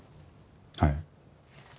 はい。